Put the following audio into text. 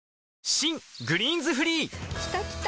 新「グリーンズフリー」きたきた！